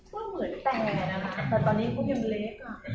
ก็เหมือนแปลนะค่ะแต่ตอนนี้ผมยังเล็กค่ะ